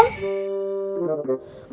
kamu mah aneh ya kom